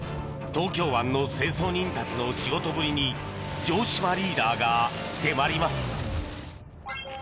東京湾の清掃人たちの仕事ぶりに城島リーダーが迫ります。